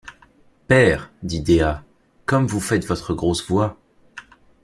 Père, dit Dea, comme vous faites votre grosse voix!